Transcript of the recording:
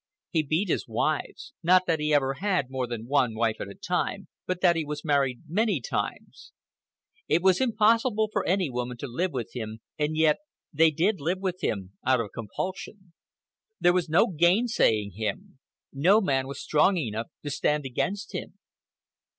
He beat his wives—not that he ever had more than one wife at a time, but that he was married many times. It was impossible for any woman to live with him, and yet they did live with him, out of compulsion. There was no gainsaying him. No man was strong enough to stand against him.